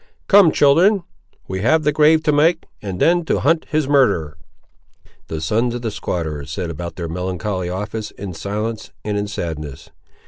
Come, children; we have the grave to make, and then to hunt his murderer." The sons of the squatter set about their melancholy office, in silence and in sadness.